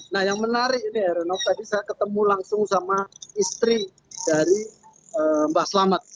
nah yang menarik ini renok tadi saya ketemu langsung sama istri dari mbah selamet